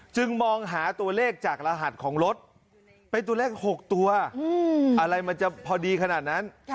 จึงมองหาตัวเลขจากรหัสของรถเป็นตัวเลข๖ตัวอะไรมันจะพอดีขนาดนั้น